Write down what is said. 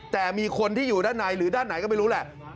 แต่มีคนที่อยู่ด้านในหรือด้านไหนก็ไม่รู้แหละ